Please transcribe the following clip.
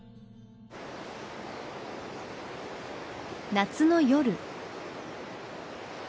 夏の夜。